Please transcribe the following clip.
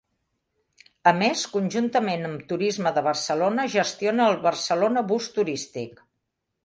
A més, conjuntament amb Turisme de Barcelona gestiona el Barcelona Bus Turístic.